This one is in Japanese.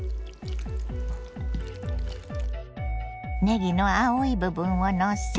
ねぎの青い部分をのせ。